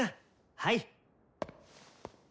はい。